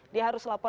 dia harus lapor